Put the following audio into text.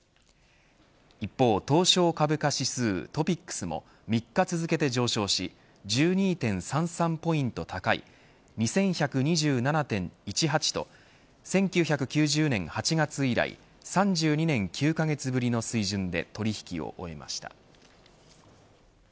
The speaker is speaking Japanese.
一方東証株価指数、ＴＯＰＩＸも３日続けて上昇し１２．３３ポイント高い２１２７．１８と１９９０年８月以来３２年９カ月ぶりの水準で取引を終えました。